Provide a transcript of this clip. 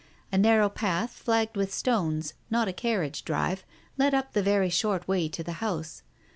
A narrow path, flagged with stones, not a carriage drive, led up the very short way to the house.